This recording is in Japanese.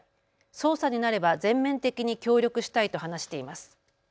捜査になれば全面的に協力したいと話しています。